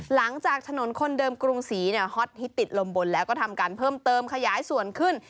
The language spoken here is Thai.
หลังจากถนนคนเดิมกรุงศรีฮอตฮิตติดลมบนแล้วก็ทำการเพิ่มเติมขยายส่วนขึ้น